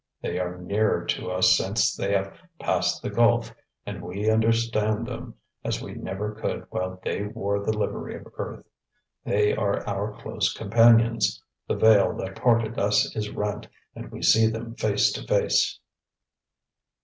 They are nearer to us since they have passed the gulf, and we understand them as we never could while they wore the livery of earth. They are our close companions. The veil that parted us is rent, and we see them face to face."